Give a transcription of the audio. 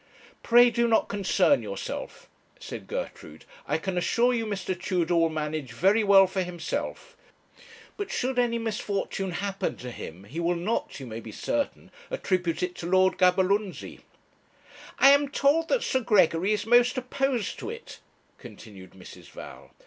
'Pray do not concern yourself,' said Gertrude. 'I can assure you Mr. Tudor will manage very well for himself but should any misfortune happen to him he will not, you may be certain, attribute it to Lord Gaberlunzie.' 'I am told that Sir Gregory is most opposed to it,' continued Mrs. Val.